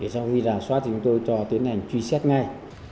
sau khi ràng soát chúng tôi cho tiến hành truy xét ngay